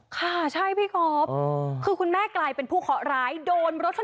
ค่ะใช่พี่ก๊อฟคือคุณแม่กลายเป็นผู้เคาะร้ายโดนรถชน